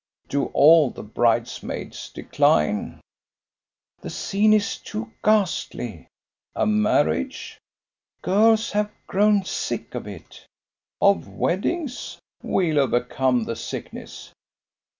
"Do all the bridesmaids decline?" "The scene is too ghastly." "A marriage?" "Girls have grown sick of it." "Of weddings? We'll overcome the sickness."